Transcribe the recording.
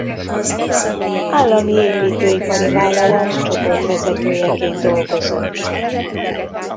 Állami Építőipari Vállalat csoportvezetőjeként dolgozott.